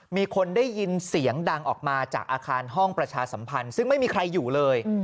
มีคนได้ยินเสียงดังออกมาจากอาคารห้องประชาสัมพันธ์ซึ่งไม่มีใครอยู่เลย